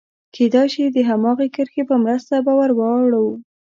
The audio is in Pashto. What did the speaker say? کېدای شي د هماغې کرښې په مرسته به ور اوړو.